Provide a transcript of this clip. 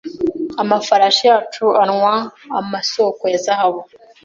amafarashi yacu anywa amasoko ya zahabu